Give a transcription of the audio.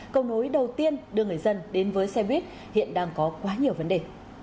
cầu nối đầu tiên đưa người dân đến với xe buýt hiện đang có quá nhiều vấn đề